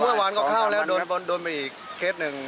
เมื่อวานก็เข้าแล้วโดนไปอีกเคสหนึ่ง